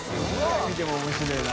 寝見ても面白いな。